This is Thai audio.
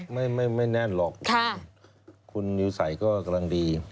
ไม่แน่นหรอกคุณอยู่ใส่ก็กำลังดี